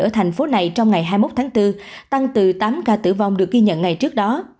ở thành phố này trong ngày hai mươi một tháng bốn tăng từ tám ca tử vong được ghi nhận ngày trước đó